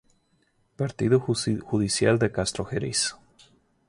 Partido Judicial de Castrojeriz.